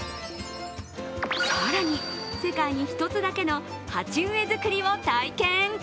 更に、世界に１つだけの鉢植え作りを体験。